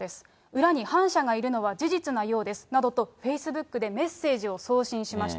裏に反社がいるのは事実なようですなどと、フェイスブックでメッセージを送信しました。